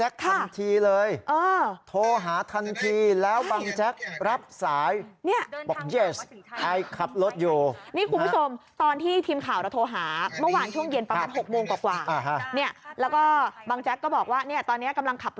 เขากำลังจะไปสนามบินจะไปขึ้นเครื่องกลับไทย